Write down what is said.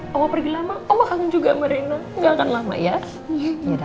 mama pergi lama mama kangen juga sama rena